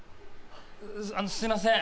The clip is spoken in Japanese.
あのすいません。